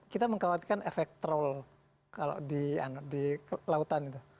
kita mengkhawatirkan efek troll kalau di lautan itu